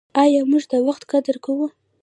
آیا موږ د وخت قدر کوو؟